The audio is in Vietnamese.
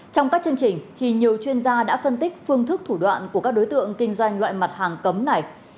trong các chương trình thì nhiều chuyên gia đã phân tích phương thức thủ đoạn của các đối tượng kinh doanh loại mặt hàng cấm này